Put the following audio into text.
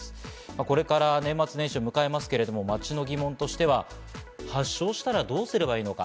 これから年末年始を迎えますが、街の疑問としては発症したらどうすればいいのか？